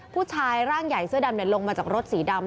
ผู้ชายร่างใหญ่เสื้อดำลงมาจากรถสีดำ